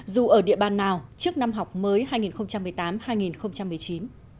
dù ở địa bàn nào trước năm học mới hai nghìn một mươi tám hai nghìn một mươi chín